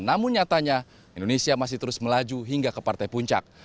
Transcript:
namun nyatanya indonesia masih terus melaju hingga ke partai puncak